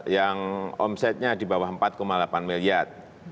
yang omsetnya di bawah empat delapan miliar